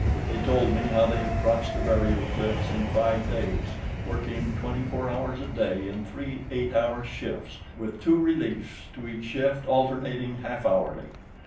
They told me how they had crossed the barrier cliffs in five days, working twenty four hours a day in three eight hour shifts with two reliefs to each shift alternating half hourly.